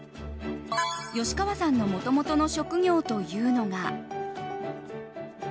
吉川さんのもともとの職業というのが。